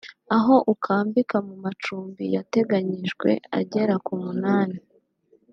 aho ukambika mu macumbi yateganijwe agera ku munani